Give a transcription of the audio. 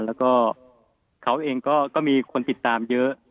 แล้วก็เขาเองก็มีคนติดตามเยอะ